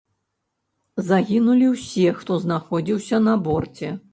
Загінулі ўсе, хто знаходзіўся на борце.